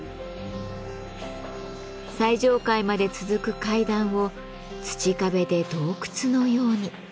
最上階まで続く階段を土壁で洞窟のように。